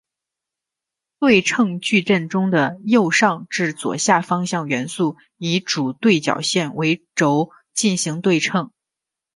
对称矩阵中的右上至左下方向元素以主对角线为轴进行对称。